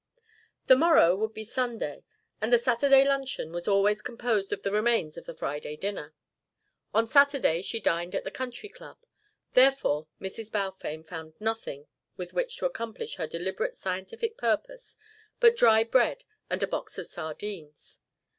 The morrow would be Sunday, and the Saturday luncheon was always composed of the remains of the Friday dinner. On Saturday she dined at the Country Club. Therefore Mrs. Balfame found nothing with which to accomplish her deliberate scientific purpose but dry bread and a box of sardines.